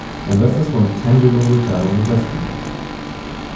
Investors want a tangible return on investment.